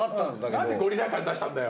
何でゴリラ感出したんだよ。